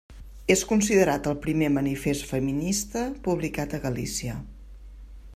És considerat el primer manifest feminista publicat a Galícia.